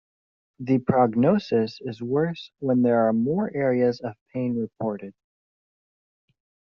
The prognosis is worse when there are more areas of pain reported.